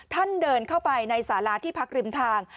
เดินเข้าไปในสาราที่พักริมทาง